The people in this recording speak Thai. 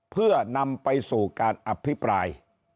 เพื่อนำไปสู่การอภิปราย